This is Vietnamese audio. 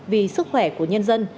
vì sức khỏe của nhân dân